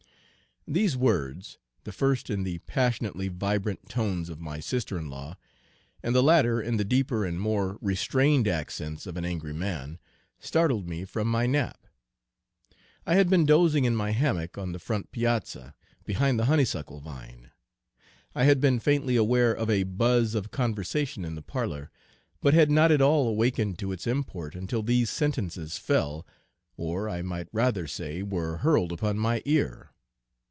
These words the first in the passionately vibrant tones of my sister in law, and the latter in the deeper and more restrained accents of an angry man startled me from my nap. I had been dozing in my hammock on the front piazza, behind the honeysuckle vine. I had been faintly aware of a buzz of conversation in the parlor, but had not at all awakened to its import until these sentences fell, or, I might rather say, were hurled upon my ear.